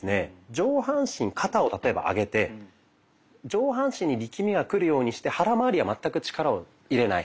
上半身肩を例えば上げて上半身に力みがくるようにして腹まわりは全く力を入れない。